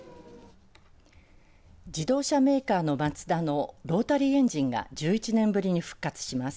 自動車メーカーのマツダのロータリーエンジンが１１年ぶりに復活します。